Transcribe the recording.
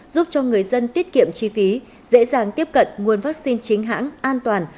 giúp cho người dân tiết kiệm chi phí dễ dàng tiếp cận nguồn vắc xin chính hãng an toàn